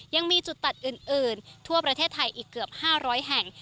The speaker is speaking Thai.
ยังมีจุดตัดอื่นทั่วประเทศไทยอีกเกือบ๕๐๐แห่ง